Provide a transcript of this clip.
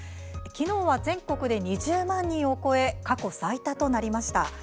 きのうは全国で２０万人を超え過去最多となりました。